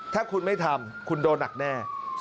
ถ้าคุณไม่ทำคุณโดนหนักแน่